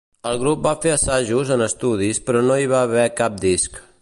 El grup va fer assajos en estudis però no hi va haver cap disc.